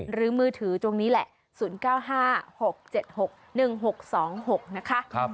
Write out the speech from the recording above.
หรือมือถือตรงนี้แหละ๐๙๕๖๗๖๑๖๒๖นะคะ